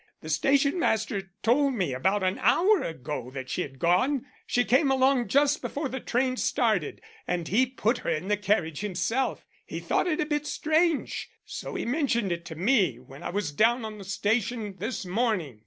The station master told me about an hour ago that she had gone. She came along just before the train started, and he put her in a carriage himself. He thought it a bit strange, so he mentioned it to me when I was down on the station this morning.